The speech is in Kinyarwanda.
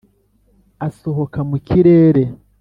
asohoka mu kirere,